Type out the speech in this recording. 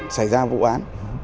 xảy ra vụ án